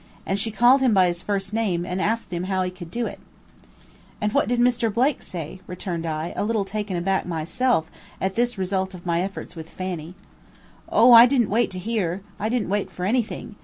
And she called him by his first name, and asked him how he could do it." "And what did Mr. Blake say?" returned I, a little taken back myself at this result of my efforts with Fanny. "O, I did'nt wait to hear. I did'nt wait for anything.